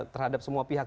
terhadap semua pihak